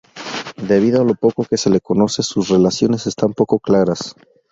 Debido a lo poco que se lo conoce sus relaciones están poco claras.